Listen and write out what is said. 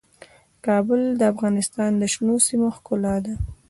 کابل د افغانستان د شنو سیمو ښکلا ده.